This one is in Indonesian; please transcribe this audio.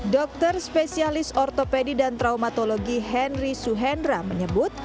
dokter spesialis ortopedi dan traumatologi henry suhenra menyebut